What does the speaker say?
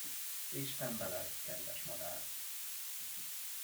Isten veled, kedves madár!